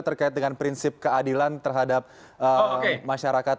terkait dengan prinsip keadilan terhadap masyarakat